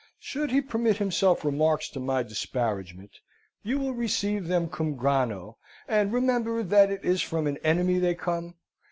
Should he permit himself remarks to my disparagement, you will receive them cum grano, and remember that it is from an enemy they come."